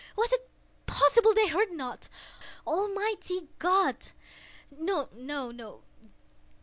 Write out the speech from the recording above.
Was it possible they heard not? Almighty God!—no, no!